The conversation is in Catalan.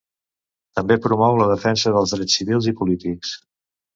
També promou la defensa dels drets civils i polítics.